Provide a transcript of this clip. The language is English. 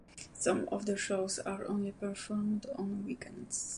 Some of the shows are only performed on weekends.